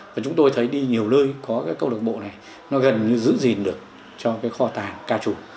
và chúng tôi thấy đi nhiều nơi có các câu lạc bộ này nó gần như giữ gìn được cho kho tàn ca trù